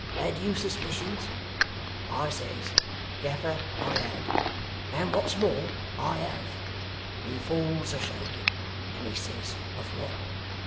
Had you suspicions?" I says, "Gaffer, I had; and what's more, I have." He falls a shaking, and he says, "Of what?"